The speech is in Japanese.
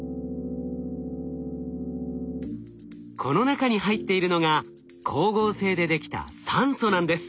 この中に入っているのが光合成でできた酸素なんです。